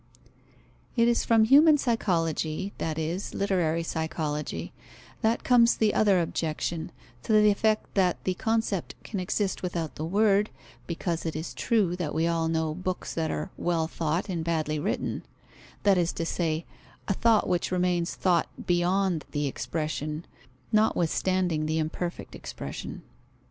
It is from human psychology, that is, literary psychology, that comes the other objection, to the effect that the concept can exist without the word, because it is true that we all know books that are well thought and badly written: that is to say, a thought which remains thought beyond the expression, notwithstanding the imperfect expression.